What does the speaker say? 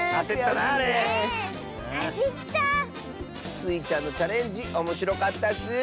スイちゃんのチャレンジおもしろかったッス！